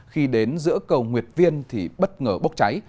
khi đến giữa cầu nguyệt viên thì bất ngờ bốc cháy